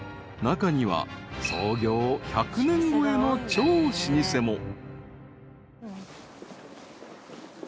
［中には創業１００年超えの超老舗も］